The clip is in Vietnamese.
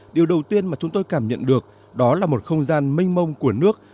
điều đầu tiên mà chúng tôi cảm nhận được đó là một không gian mênh mông của nước